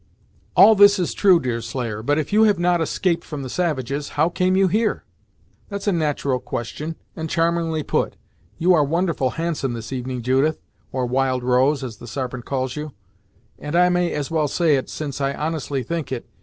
"All this is true, Deerslayer, but if you have not escaped from the savages, how came you here?" "That's a nat'ral question, and charmingly put. You are wonderful handsome this evening, Judith, or Wild Rose, as the Sarpent calls you, and I may as well say it, since I honestly think it!